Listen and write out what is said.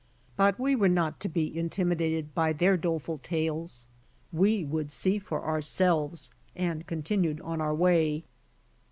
But we were not to be intimidated by their doleful tales. We would see for ourselves and continued on our way.